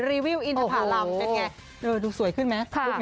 รีวิวอินทรัพยาบาลลำเป็นไงดูสวยขึ้นไหม